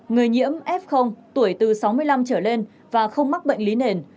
người nhiễm f tuổi từ sáu mươi năm trở lên và không mắc bệnh lý nền